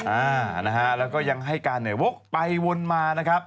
อ้าแล้วยังให้การเหนือวกกไปวนมา